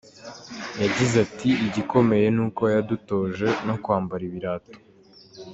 Yagize ati “Igikomeye ni uko yadutoje no kwambara ibirato.